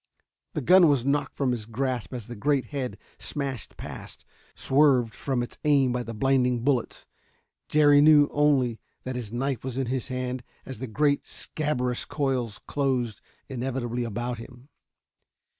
The gun was knocked from his grasp as the great head smashed past, swerved from its aim by the blinding bullets. Jerry knew only that his knife was in his hand as the great scabrous coils closed inevitably about him.